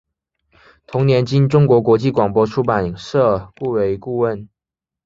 同年经中国国际广播出版社雇为顾问。